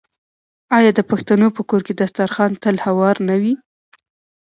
آیا د پښتنو په کور کې دسترخان تل هوار نه وي؟